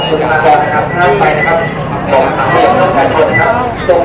มุมการก็แจ้งแล้วเข้ากลับมานะครับ